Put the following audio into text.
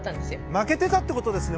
負けてたって事ですね？